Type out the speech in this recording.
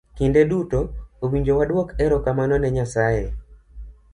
Kinde duto owinjo waduok erokamano ne nyasaye.